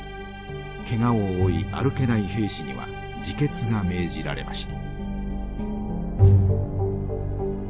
ケガを負い歩けない兵士には自決が命じられました。